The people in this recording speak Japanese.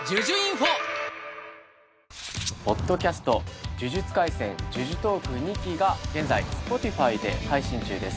ポッドキャスト「呪術廻戦じゅじゅとーくニキ」が現在「Ｓｐｏｔｉｆｙ」で配信中です。